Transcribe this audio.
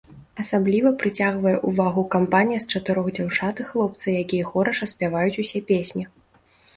Асабліва прыцягвае ўвагу кампанія з чатырох дзяўчат і хлопца, якія хораша спяваюць усе песні.